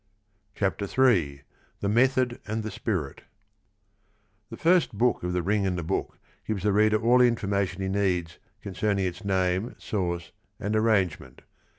CHAPTER III THE METHOD AND THE SPIRIT The first book of The Ring and the Book gives the reader all the information he needs concern ing its name, source, and arrangement.